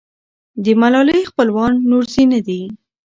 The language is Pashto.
د ملالۍ خپلوان نورزي نه دي.